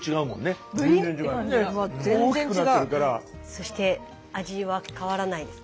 そして味は変わらないです。